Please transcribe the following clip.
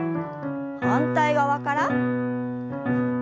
反対側から。